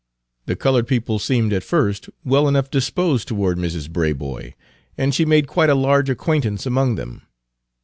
The colored people seemed, at first, well enough disposed toward Mrs. Braboy, and she made quite a large acquaintance among them.